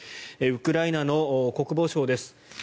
ウクライナの国防相です。